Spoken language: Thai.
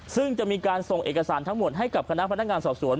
ซึ่งจะมีการส่งเอกสารทั้งหมดให้กับคณะพนักงานสอบสวน